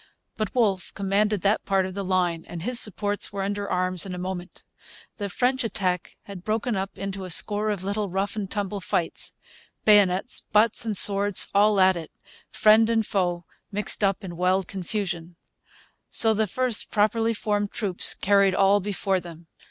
But Wolfe commanded that part of the line, and his supports were under arms in a moment. The French attack had broken up into a score of little rough and tumble fights bayonets, butts, and swords all at it; friend and foe mixed up in wild confusion. So the first properly formed troops carried all before them.